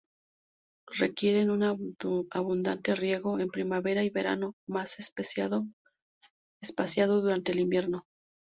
Requieren un abundante riego en primavera y verano, más espaciado durante el invierno.